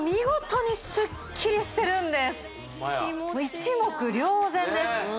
一目瞭然です